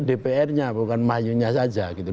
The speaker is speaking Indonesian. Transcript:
dpr nya bukan mahyunya saja gitu